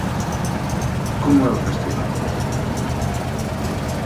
Como é o festival?